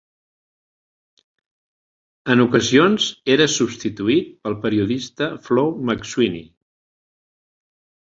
En ocasions era substituït pel periodista Flow McSweeney.